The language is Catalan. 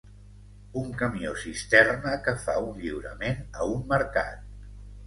Un camió cisterna que fa un lliurament a un mercat